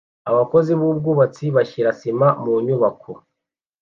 Abakozi b'ubwubatsi bashyira sima mu nyubako